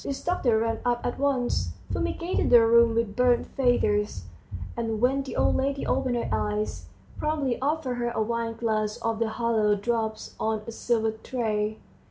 This doctor ran up at once, fumigated the room with burnt feathers, and when the old lady opened her eyes, promptly offered her a wineglass of the hallowed drops on a silver tray.